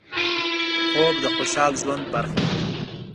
خوب د خوشحال ژوند برخه ده